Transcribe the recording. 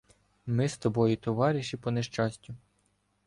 ми з тобою товариші по нещастю.